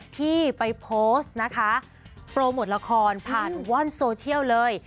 ที่ไปโพสต์นะคะโปรโมทละครผ่านอว่อนโซเชียลเลย